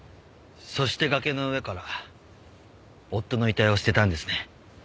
そして崖の上から夫の遺体を捨てたんですね。